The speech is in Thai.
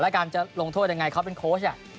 แล้วการจะลงโทษยังไงเขาเป็นโค้ช